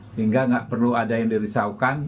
sehingga nggak perlu ada yang dirisaukan